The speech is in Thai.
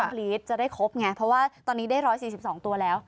เพราะว่าตอนนี้ได้๑๔๒ตัวแล้ว